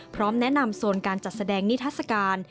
พร้อมแนะนำโซนการจัดแสดงนิทัศกาล